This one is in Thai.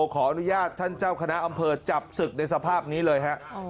ขออนุญาตท่านเจ้าคณะอำเภอจับศึกในสภาพนี้เลยฮะ